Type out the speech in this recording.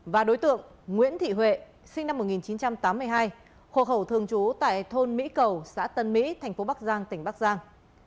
và đối tượng nguyễn thị huệ sinh năm một nghìn chín trăm tám mươi hai hộ khẩu thường trú tại thôn mỹ cầu xã tân mỹ thành phố bắc giang tỉnh bắc giang